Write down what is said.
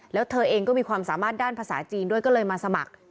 แล้วเธอเองก็มีความสามารถด้านภาษาจีนด้วยก็เลยมาสมัคร